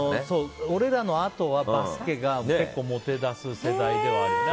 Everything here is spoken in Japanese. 俺らのあとはバスケが結構モテだす世代ではあって。